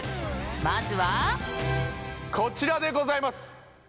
まずはこちらでございます